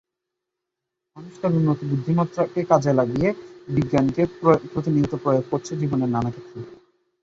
মানুষ তার উন্নত বুদ্ধিমত্তাকে কাজে লাগিয়ে বিজ্ঞানকে প্রতিনিয়ত প্রয়োগ করেছে জীবনের নানা ক্ষেত্রে।